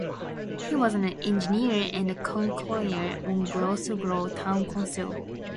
He was an engineer and a councillor on Glasgow Town Council.